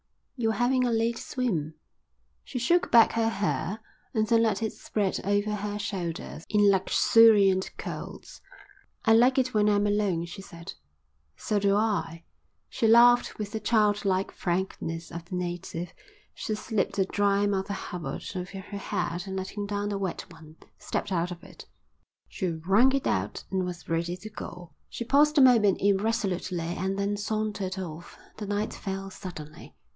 "You're having a late swim." She shook back her hair and then let it spread over her shoulders in luxuriant curls. "I like it when I'm alone," she said. "So do I." She laughed with the childlike frankness of the native. She slipped a dry Mother Hubbard over her head and, letting down the wet one, stepped out of it. She wrung it out and was ready to go. She paused a moment irresolutely and then sauntered off. The night fell suddenly.